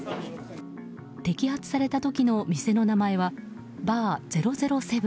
摘発された時の店の名前はＢＡＲ００７。